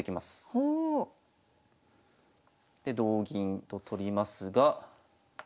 お。で同銀と取りますが。